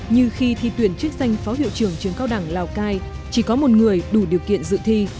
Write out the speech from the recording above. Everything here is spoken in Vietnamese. như khi thi tuyển chức danh phó hiệu trưởng trường cao đẳng lào cai chỉ có một người đủ điều kiện dự thi